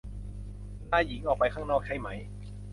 นายหญิงออกไปข้างนอกใช่ไหม